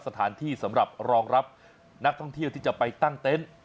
สถานที่สำหรับรองรับนักท่องที่จะไปตั้งเต้น